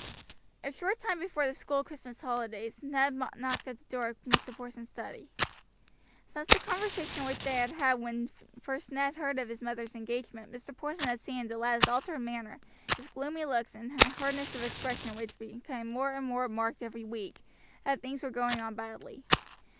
A short time before the school Christmas holidays Ned knocked at the door of Mr. Porson's study. Since the conversation which they had had when first Ned heard of his mother's engagement Mr. Porson had seen in the lad's altered manner, his gloomy looks, and a hardness of expression which became more and more marked every week, that things were going on badly.